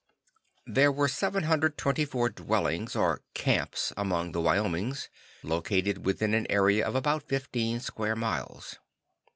There were 724 dwellings or "camps" among the Wyomings, located within an area of about fifteen square miles.